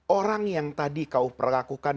orang yang tadi kau perlakukan